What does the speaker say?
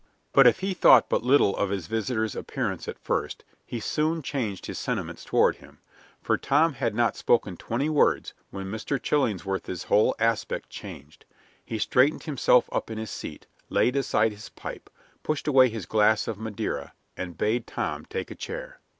But if he thought but little of his visitor's appearance at first, he soon changed his sentiments toward him, for Tom had not spoken twenty words when Mr. Chillingsworth's whole aspect changed. He straightened himself up in his seat, laid aside his pipe, pushed away his glass of Madeira, and bade Tom take a chair.